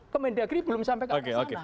kemendagri belum sampai ke arah sana